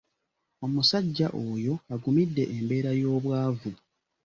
Omusajja oyo agumidde embeera y'obwavu.